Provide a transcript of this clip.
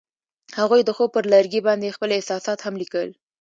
هغوی د خوب پر لرګي باندې خپل احساسات هم لیکل.